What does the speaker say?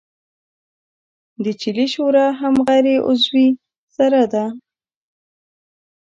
د چیلې شوره هم غیر عضوي سره ده.